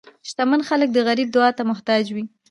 شتمن خلک د غریب دعا ته محتاج وي.